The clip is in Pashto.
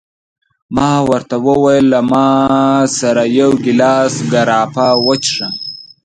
ما ورته وویل: له ما سره یو ګیلاس ګراپا وڅښه.